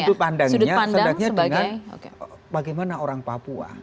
sudut pandangnya sebaiknya dengan bagaimana orang papua